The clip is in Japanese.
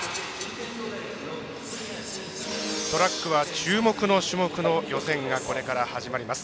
トラックは注目の種目の予選が始まります。